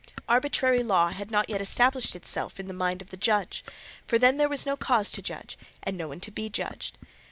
Arbitrary law had not yet established itself in the mind of the judge, for then there was no cause to judge and no one to be judged.